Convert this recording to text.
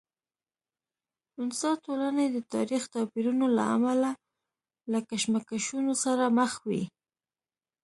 انسا ټولنې د تاریخي توپیرونو له امله له کشمکشونو سره مخ وي.